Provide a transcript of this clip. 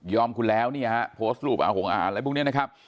ยอมคุณแล้วโพสต์รูปของอาหารอะไรพวกนี้นะครับ